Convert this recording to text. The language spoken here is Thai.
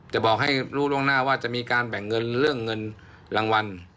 จะบอกให้รู้ล่วงหน้าว่าจะมีการแบ่งเงินเรื่องเงินรางวัล